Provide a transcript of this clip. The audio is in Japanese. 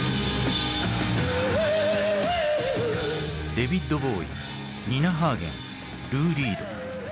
デヴィッド・ボウイニナ・ハーゲンルー・リード。